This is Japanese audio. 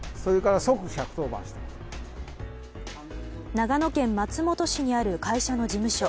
長野県松本市にある会社の事務所。